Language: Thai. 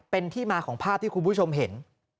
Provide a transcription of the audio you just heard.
เป็นที่มาของภาพที่คุณผู้ชมเห็น